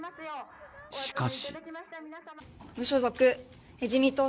しかし。